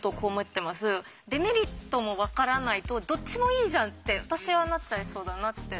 デメリットもわからないとどっちもいいじゃんって私はなっちゃいそうだなって。